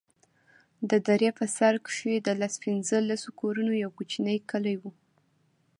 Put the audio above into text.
د درې په سر کښې د لس پينځه لسو کورونو يو کوچنى کلى و.